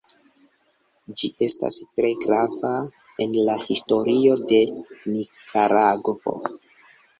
Ĝi estas tre grava en la historio de Nikaragvo.